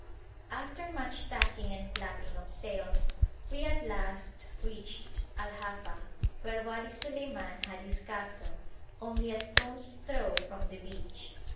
After much tacking and flapping of sails we at last reached Al Hafa, where Wali Suleiman had his castle, only a stone's throw from the beach.